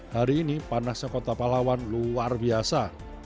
hari ini panasnya kota palawan luar biasa